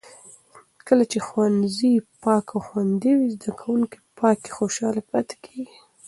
کله چې ښوونځي پاک او خوندي وي، زده کوونکي پکې خوشحاله پاتې کېږي.